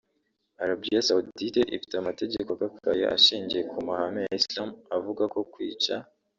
Arabia Saudite ifite amategeko akakaye ashingiye ku mahame ya Islam avuga ko kwica